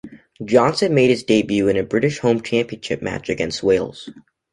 Johnstone made his debut in a British Home Championship match against Wales.